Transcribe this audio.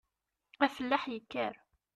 Afellaḥ yekker.